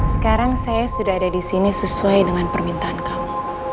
sekarang saya sudah ada disini sesuai dengan permintaan kamu